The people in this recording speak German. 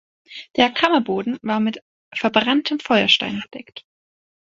Der Kammerboden war mit verbranntem Feuerstein bedeckt.